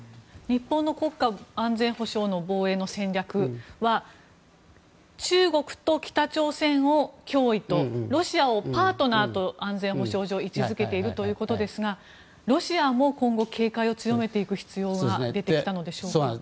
日本の国家安全保障の防衛の戦略は中国と北朝鮮を脅威とロシアをパートナーと安全保障上位置付けているということですがロシアも今後警戒を強めていく必要は出てきたのでしょうか。